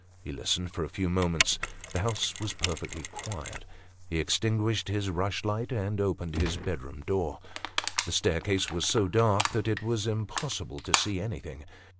He listened for a few moments ; the house was perfectly quiet; he extinguished his rushlight, and opened his bedroom door The staircase was so dark that it was impossible to see anything.